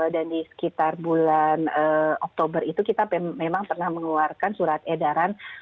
dan di sekitar bulan oktober itu kita memang pernah mengeluarkan surat edaran